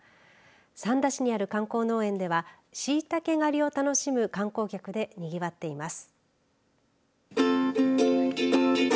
三田市にある観光農園ではしいたけ狩りを楽しむ観光客でにぎわっています。